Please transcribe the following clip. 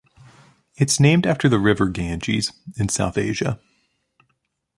It is named after the River Ganges in South Asia.